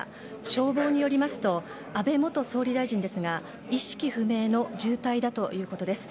消防によりますと安倍元総理大臣ですが意識不明の重体だということです。